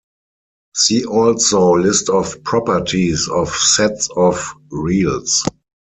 See also list of properties of sets of reals.